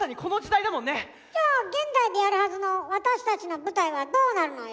じゃあ現代でやるはずの私たちの舞台はどうなるのよ？